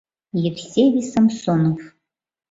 Евсевий Самсонов.